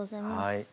はい！